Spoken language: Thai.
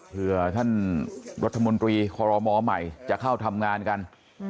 เพื่อท่านรัฐมนตรีคอรมอใหม่จะเข้าทำงานกัน